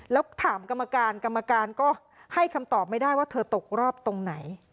แล้วถามกรรมการกรรมการก็ให้คำตอบไม่ได้ว่าเธอตกรอบตรงไหน